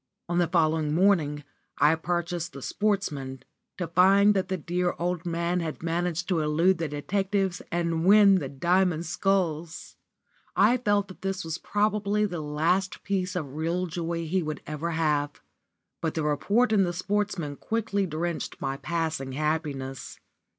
On the following morning I purchased the Sportsman, to find that the dear old man had managed to elude the detectives and win the Diamond Sculls! I felt that this was probably the last piece of real joy he would ever have. But the report in the Sportsman quickly quenched my passing happiness.